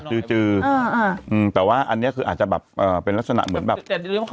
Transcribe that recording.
คือหลายคนก็อยากจะเป็นเหมือนคุณเอ้อ